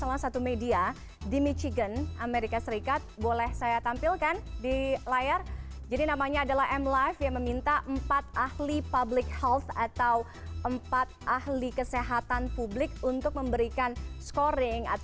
pembukaan sektor perekonomian pun harus dibarengi dengan pemetaan potensi munculnya